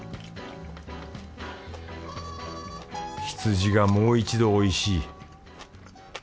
羊がもう一度おいしい。